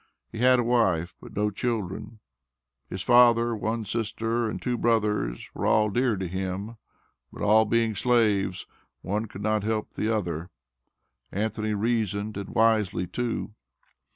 He had a wife, but no children. His father, one sister, and two brothers were all dear to him, but all being slaves "one could not help the other," Anthony reasoned, and wisely too.